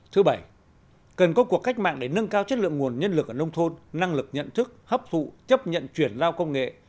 thứ bảy cần có cuộc cách mạng để nâng cao chất lượng nguồn nhân lực ở nông thôn năng lực nhận thức hấp thụ chấp nhận chuyển giao công nghệ